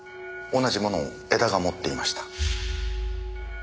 同じものを江田が持っていました。